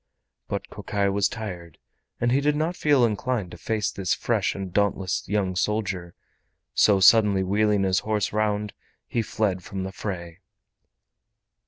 But Kokai was tired, and he did not feel inclined to face this fresh and dauntless young soldier, so suddenly wheeling his horse round, he fled from the fray.